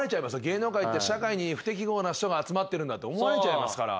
芸能界って社会に不適合な人が集まってるんだって思われちゃいますから。